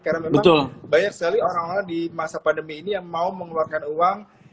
karena memang banyak sekali orang orang di masa pandemi ini yang mau mengeluarkan uang